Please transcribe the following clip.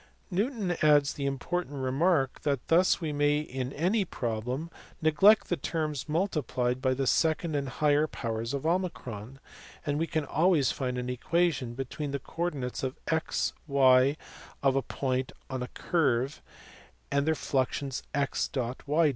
Newton adds the important remark that thus we may in any problem neglect the terms multiplied by the second and higher powers of o, and we can always find an equation between the coordinates x, y of a point on a curve and their fluxions x, y.